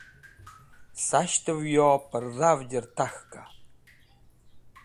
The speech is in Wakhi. Sashtẽv yo pẽrdhavjẽr takhka?